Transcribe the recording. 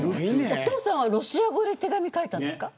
お父さんはロシア語で手紙書いたんですか。